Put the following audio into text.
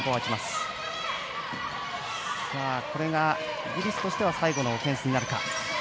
イギリスとしては最後のオフェンスになるか。